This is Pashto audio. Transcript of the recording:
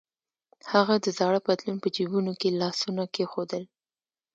هغه د زاړه پتلون په جبونو کې لاسونه کېښودل.